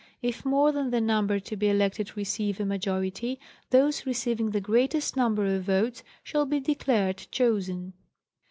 If more than the number to be elected receive a. majority, those receiving the greatest number of votes shall be declared chosen.